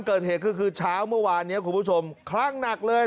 เกิดเหตุก็คือเช้าเมื่อวานนี้คุณผู้ชมคลั่งหนักเลย